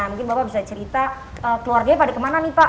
mungkin bapak bisa cerita keluarganya pada kemana nih pak